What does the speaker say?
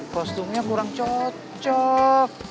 kostumnya kurang cocok